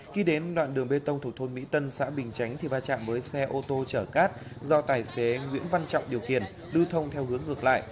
khi đến đoạn đường bê tông thuộc thôn mỹ tân xã bình chánh thì va chạm với xe ô tô chở cát do tài xế nguyễn văn trọng điều khiển lưu thông theo hướng ngược lại